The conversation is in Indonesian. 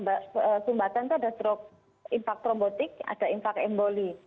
pada stroke sumbatan itu ada stroke impak trombotik ada impak emboli